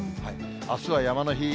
あすは山の日。